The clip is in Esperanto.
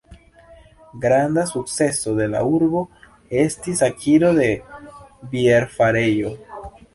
Granda sukceso de la urbo estis akiro de bierfarejo.